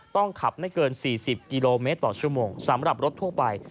ต้องขับไม่เกิน๔๐กิโลเมตรต่อชั่วโมงสำหรับรถทั่วไป